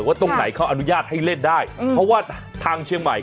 ว่าตรงไหนเขาอนุญาตให้เล่นได้เพราะว่าทางเชียงใหม่